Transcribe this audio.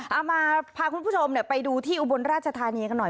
พาคุณผู้ชมไปดูที่อุบลราชธานีกันหน่อย